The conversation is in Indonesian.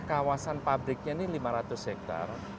kawasan pabriknya ini lima ratus hektare